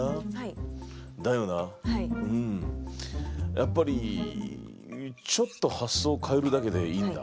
やっぱりちょっと発想を変えるだけでいいんだ。